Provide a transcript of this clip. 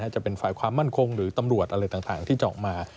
จะเป็นฝ่ายความมั่นคงหรือตำรวจอะไรต่างที่จะออกมา